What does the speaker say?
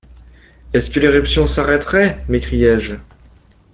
Est-ce que l’éruption s’arrêterait? m’écriai-je.